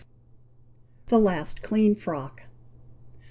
THE LAST CLEAN FROCK.